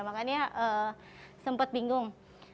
makanya sempat bingung